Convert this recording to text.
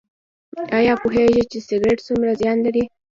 ایا پوهیږئ چې سګرټ څومره زیان لري؟